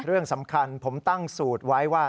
เรื่องสำคัญผมตั้งสูตรไว้ว่า